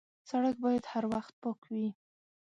سړک باید هر وخت پاک وي.